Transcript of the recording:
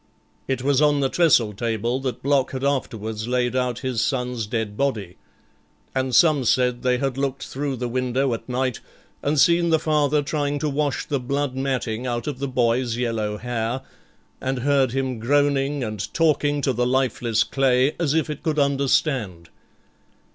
It was on the trestle table that Block had afterwards laid out his son's dead body, and some said they had looked through the window at night and seen the father trying to wash the blood matting out of the boy's yellow hair, and heard him groaning and talking to the lifeless clay as if it could understand.